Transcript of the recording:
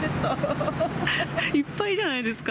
いっぱいじゃないですか。